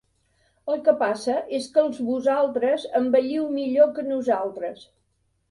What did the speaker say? El que passa és que els vosaltres envelliu millor que nosaltres.